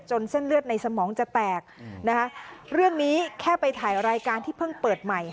เส้นเลือดในสมองจะแตกนะคะเรื่องนี้แค่ไปถ่ายรายการที่เพิ่งเปิดใหม่